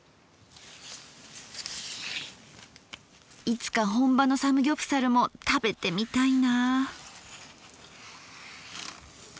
いつか本場のサムギョプサルも食べてみたいなぁ。